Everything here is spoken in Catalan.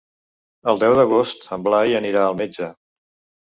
El deu d'agost en Blai anirà al metge.